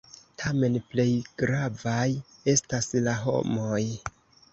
Tamen plej gravaj estas la homoj.